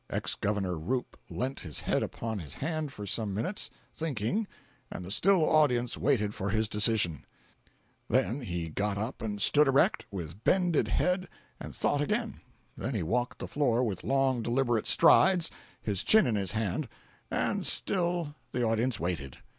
Ex Governor Roop leant his head upon his hand for some minutes, thinking, and the still audience waited for his decision. Then he got up and stood erect, with bended head, and thought again. Then he walked the floor with long, deliberate strides, his chin in his hand, and still the audience waited.